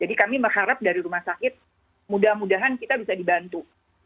kami berharap dari rumah sakit mudah mudahan kita bisa dibantu